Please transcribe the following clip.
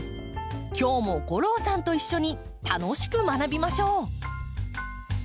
今日も吾郎さんと一緒に楽しく学びましょう。